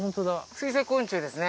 水生昆虫ですね。